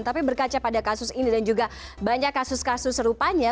tapi berkaca pada kasus ini dan juga banyak kasus kasus serupanya